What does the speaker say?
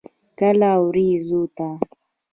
کله ورېځو ته.